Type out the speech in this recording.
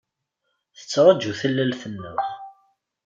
Tettṛaǧu tallalt-nneɣ.